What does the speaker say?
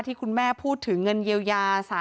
ที่คุณแม่พูดถึงเงินเยียวยา